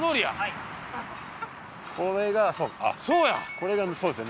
これがそうですね